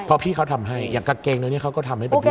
เพราะพี่เขาทำให้อย่างกิ๊กเกงนี้เขาก็ทำให้เป็นพิเศษ